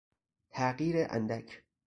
تغییر اندک